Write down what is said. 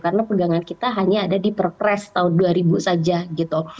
karena pegangan kita hanya ada di perpres tahun dua ribu saja gitu